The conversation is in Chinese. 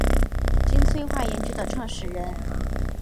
金催化研究的创始人。